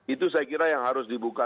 itu saya kira yang harus dibuka